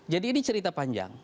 jadi ini cerita panjang